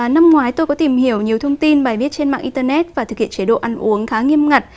năm ngoái tôi có tìm hiểu nhiều thông tin bài viết trên mạng internet và thực hiện chế độ ăn uống khá nghiêm ngặt